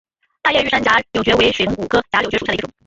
大叶玉山假瘤蕨为水龙骨科假瘤蕨属下的一个种。